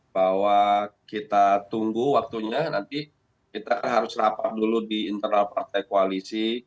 bahwa kita tunggu waktunya nanti kita harus rapat dulu di internal partai koalisi